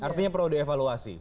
artinya perlu dievaluasi